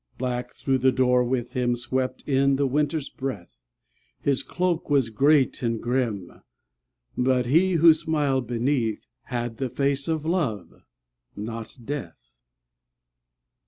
_ Black through the door with him Swept in the Winter's breath; His cloak was great and grim But he, who smiled beneath, Had the face of Love not Death.